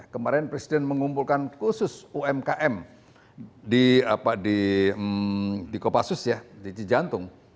kemarin presiden mengumpulkan khusus umkm di kopassus ya di cijantung